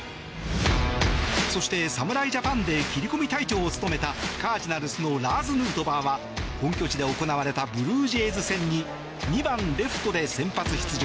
そして、侍ジャパンで切り込み隊長を務めたカージナルスのラーズ・ヌートバーは本拠地で行われたブルージェイズ戦に２番レフトで先発出場。